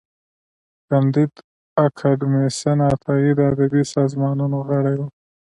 کانديد اکاډميسن عطايي د ادبي سازمانونو غړی و.